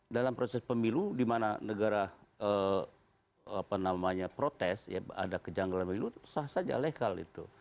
dalam proses pemilu dimana negara apa namanya protes ya ada kejanggalan pemilu itu sah saja legal itu